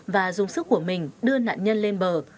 và dùng sức của mình đưa nạn nhân lên bờ